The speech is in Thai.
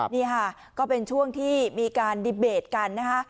นี่ค่ะก็เป็นช่วงที่มีการดีเบตกันนะคะ